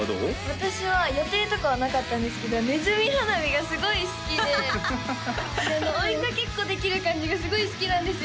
私は予定とかはなかったんですけどねずみ花火がすごい好きで追いかけっこできる感じがすごい好きなんですよ